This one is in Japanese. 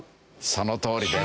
そのとおりです。